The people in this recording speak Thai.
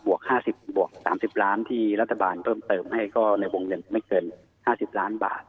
บวก๓๐ล้านที่รัฐบาลเพิ่มเติมให้ก็ในวงเงินไม่เกิน๕๐ล้านบาท